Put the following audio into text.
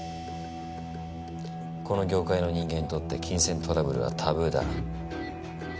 この業界の人間にとって金銭トラブルはタブーだ。